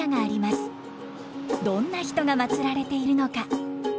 どんな人がまつられているのか。